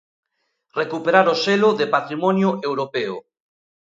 Recuperar o selo de patrimonio europeo.